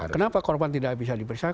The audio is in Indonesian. kenapa korban tidak bisa diperiksa